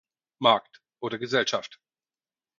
Markt oder Gesellschaft.